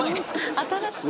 新しい。